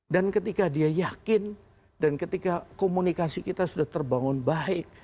dan ketika dia yakin dan ketika komunikasi kita sudah terbangun baik